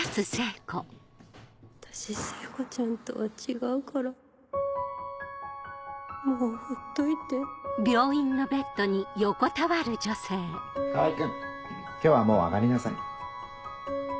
私聖子ちゃんとは違うからもうほっといて川合君今日はもう上がりなさい。